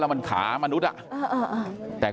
กลุ่มตัวเชียงใหม่